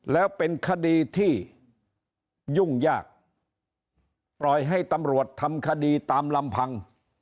แล้วเป็นคดีที่ยุ่งยากปล่อยให้ตำรวจทำคดีตามลำพัง